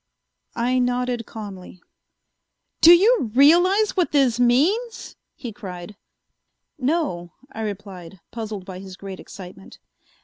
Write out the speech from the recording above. I nodded calmly. "Do you realize what this means?" he cried. "No," I replied, puzzled by his great excitement.